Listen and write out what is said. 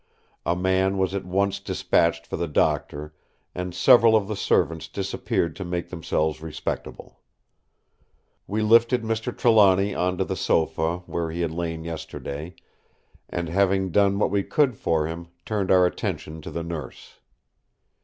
A man was at once despatched for the doctor, and several of the servants disappeared to make themselves respectable. We lifted Mr. Trelawny on to the sofa where he had lain yesterday; and, having done what we could for him, turned our attention to the Nurse.